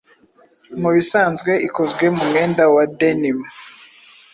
mubisanzwe ikozwe mu mwenda wa denim